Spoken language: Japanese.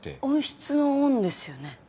温室の「温」ですよね。